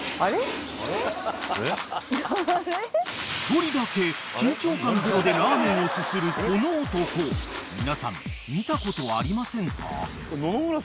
［１人だけ緊張感ゼロでラーメンをすするこの男皆さん見たことありませんか？］